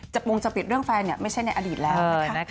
จะปรุงจะเปลี่ยนเรื่องแฟนไม่ใช่ในอดีตแล้ว